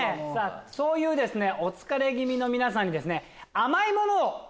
そういうお疲れ気味の皆さんに。